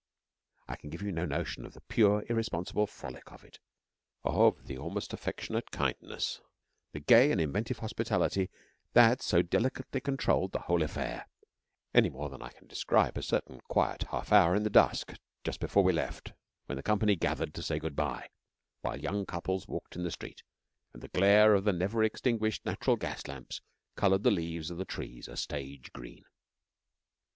I can give you no notion of the pure, irresponsible frolic of it of the almost affectionate kindness, the gay and inventive hospitality that so delicately controlled the whole affair any more than I can describe a certain quiet half hour in the dusk just before we left, when the company gathered to say good bye, while young couples walked in the street, and the glare of the never extinguished natural gas lamps coloured the leaves of the trees a stage green.